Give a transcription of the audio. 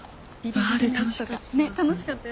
あれ楽しかった。